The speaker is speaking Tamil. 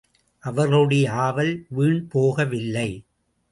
அவர்களுடைய ஆவல் வீண் போகவில்லை.